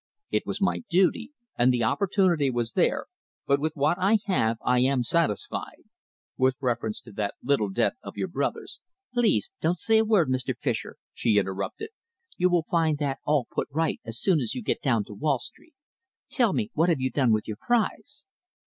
It was my duty, and the opportunity was there, but with what I have I am satisfied. With reference to that little debt of your brother's " "Please don't say a word, Mr. Fischer," she interrupted. "You will find that all put right as soon as you get down to Wall Street. Tell me, what have you done with your prize?"